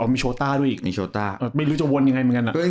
มีโชต้าด้วยอีกไม่รู้จะวนยังไงเหมือนกันนะ